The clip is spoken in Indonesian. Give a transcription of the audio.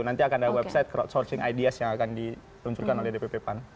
nanti akan ada website crowdsourcing ideas yang akan diluncurkan oleh dpp pan